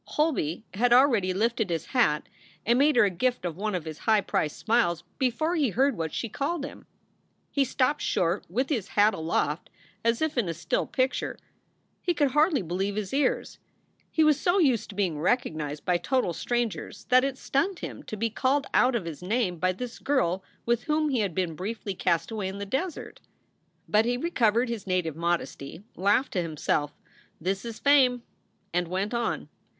Holby had already lifted his hat and made her a gift of one of his high priced smiles before he heard what she called him. He stopped short with his hat aloft as if in a still pic ture. He could hardly believe his ears. He was so used to being recognized by total strangers that it stunned him to be called out of his name by this girl with whom he had been briefly cast away in the desert. But he recovered his native modesty, laughed to himself, "This is fame!" and went on.